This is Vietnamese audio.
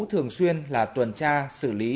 thường xuyên là tuần tra xử lý